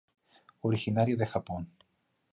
Originaria de Japón.